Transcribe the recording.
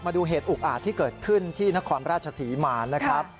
มาดูเหตุอุกอาจที่เกิดขึ้นที่นครราชศรีมานะครับ